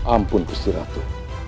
ampun kusti ratu